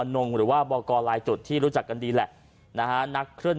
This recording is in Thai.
นงหรือว่าบอกกรลายจุดที่รู้จักกันดีแหละนะฮะนักเคลื่อน